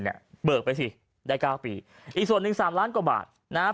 เบิกไปสิได้เก้าปีอีกส่วนหนึ่งสามล้านกว่าบาทนะฮะ